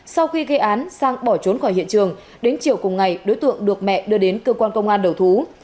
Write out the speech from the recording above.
sau khi gây án sang bỏ trốn khỏi hiện trường đến chiều cùng ngày đối tượng được mẹ đưa đến cơ quan công an đầu thú